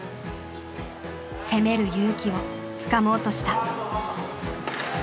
攻める勇気をつかもうとした。